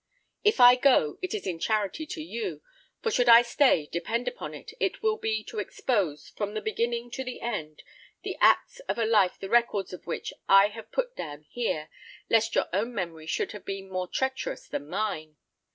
If I go, it is in charity to you; for should I stay, depend upon it, it will be to expose, from the beginning to the end, the acts of a life the records of which I have put down here, lest your own memory should have been more treacherous than mine.